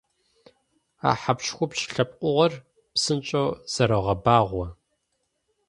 А хьэпщхупщ лъэпкъыгъуэр псынщIэу зэрогъэбагъуэ.